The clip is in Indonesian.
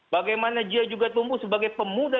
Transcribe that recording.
bagaimana dia juga tumbuh sebagai pemuda